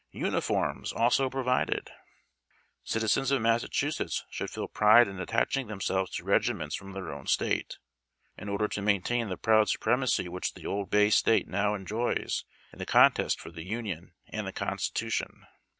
UNIFORMS ALSO PROVIDED! Citizens of Massachusetts should feel pride in attaching themselves to regiments from their own State, in order to maintain the proud supremacy which the Old Bay State now enjoys in the contest for the Union and the Constitution.